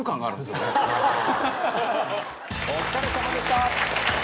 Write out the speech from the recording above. お疲れさまでした！